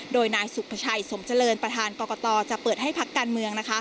โดยนายสุภาชัยสมเจริญประธานกรกตจะเปิดให้พักการเมือง